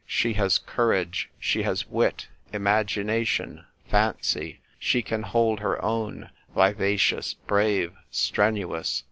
She has courage, she has wit, imagination, fancy. She can hold her own ; vivacious, brave, strenuous.